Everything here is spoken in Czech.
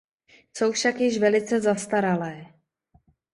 Jsou však již velice zastaralé.